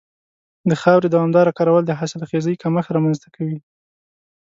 د خاورې دوامداره کارول د حاصلخېزۍ کمښت رامنځته کوي.